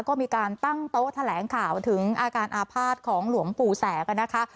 ก็มีการตั้งโต๊ะแถลงข่าวถึงอาการอาภาษณ์ของหลวงปู่แสกนะคะ